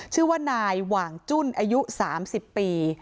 ชื่อว่านายหว่างจุ้นอายุ๓๐ปี